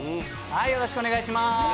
よろしくお願いします。